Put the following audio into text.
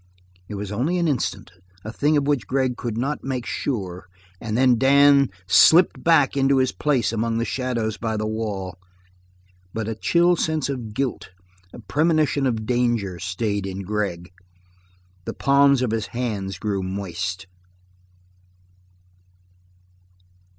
It was only an instant, a thing of which Gregg could not make sure, and then Dan slipped back into his place among the shadows by the wall. But a chill sense of guilt, a premonition of danger, stayed in Gregg. The palms of his hands grew moist.